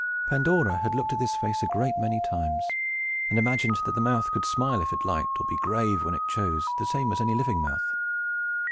Pandora had looked at this face a great many times, and imagined that the mouth could smile if it liked, or be grave when it chose, the same as any living mouth.